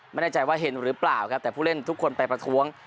ไม่แน่ใจว่าเห็นหรือเปล่าครับแต่ผู้เล่นทุกคนไปประท้วง